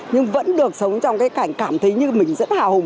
nhưng vẫn được sống trong cái cảnh cảm thấy như mình rất hào hùng